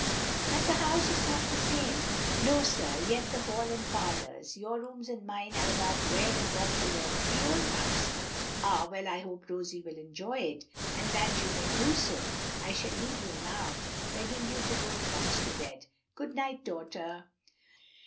"But the house is not the same." "No, sir; yet the hall and parlors, your rooms and mine are about where and what they were in the old house." "Ah! well I hope Rosie will enjoy it. And that you may do so, I shall leave you now, begging you to go at once to bed. Good night, daughter."